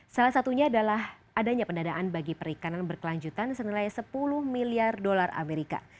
salah satunya adalah adanya pendadaan bagi perikanan berkelanjutan senilai sepuluh miliar dolar amerika